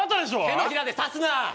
手のひらで指すな！